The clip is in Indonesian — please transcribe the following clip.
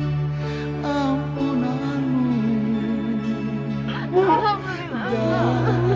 yang kesah kisahnya